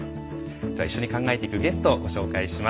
では一緒に考えていくゲストをご紹介します。